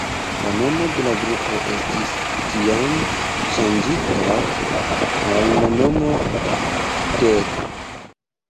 La nomo de la grupo estis, tiam, ŝanĝita al la nomo Death.